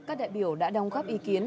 các đại biểu đã đồng góp ý kiến